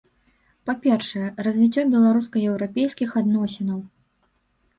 Па-першае, развіццё беларуска-еўрапейскіх адносінаў.